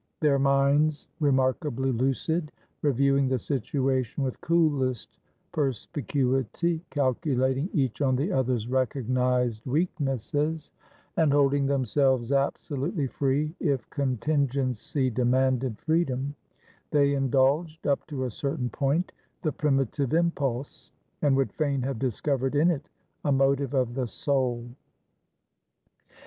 Their minds remarkably lucid, reviewing the situation with coolest perspicuity, calculating each on the other's recognised weaknesses, and holding themselves absolutely free if contingency demanded freedom, they indulged, up to a certain point, the primitive impulse, and would fain have discovered in it a motive of the soul.